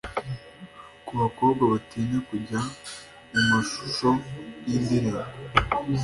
Ku bakobwa batinya kujya mu mashusho y’indirimbo